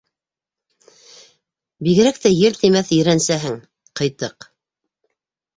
Бигерәк тә ел теймәҫ ерәнсәһең, ҡыйтыҡ.